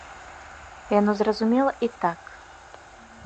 Яно зразумела і так.